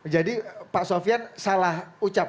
jadi pak sofian salah ucap